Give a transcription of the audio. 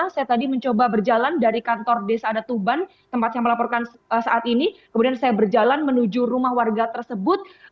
saya juga berjalan dari kantor desa ada tuban tempat yang melaporkan saat ini kemudian saya berjalan menuju rumah warga tersebut